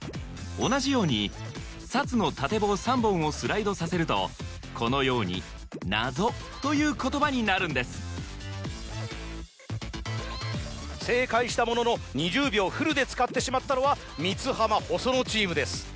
同じように「サツ」の縦棒３本をスライドさせるとこのように「ナゾ」という言葉になるんです正解したものの２０秒フルで使ってしまったのは三ツ浜・細野チームです。